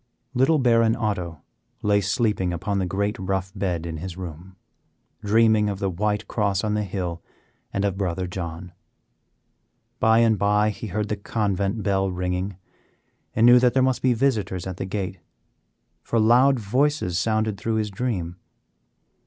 Little Baron Otto lay sleeping upon the great rough bed in his room, dreaming of the White Cross on the hill and of brother John. By and by he heard the convent bell ringing, and knew that there must be visitors at the gate, for loud voices sounded through his dream.